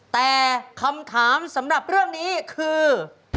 แต่คำถามสำหรับเรื่องนี้คือ